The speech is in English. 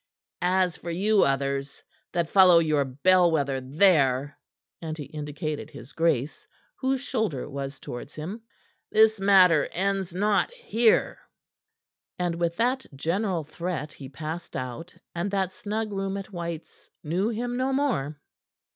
"As for you others, that follow your bell wether there," and he indicated his grace, whose shoulder was towards him, "this matter ends not here." And with that general threat he passed out, and that snug room at White's knew him no more.